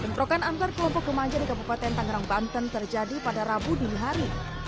bentrokan antar kelompok remaja di kabupaten tangerang banten terjadi pada rabu dini hari